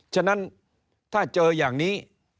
ฉะนั้นถ้าเจออย่างนี้